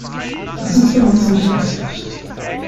Das ist für uns nicht ausreichend.